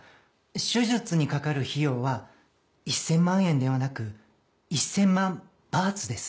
手術にかかる費用は１千万円ではなく１千万バーツです。